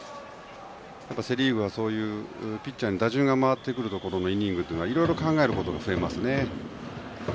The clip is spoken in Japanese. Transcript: セ・リーグはそういうピッチャーに打順が回ってくるイニングというのはいろいろ考えることが増えますね。